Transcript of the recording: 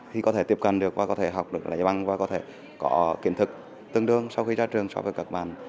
thì có thể tiếp cận được và có thể học được lấy bằng và có thể có kiến thức tương đương sau khi ra trường so với các bạn